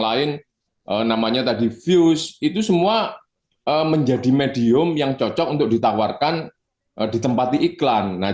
lain namanya tadi views itu semua menjadi medium yang cocok untuk ditawarkan ditempati iklan nah